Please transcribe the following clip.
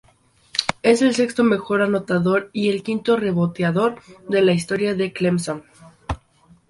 Es el sexto mejor anotador y el quinto reboteador de la historia de Clemson.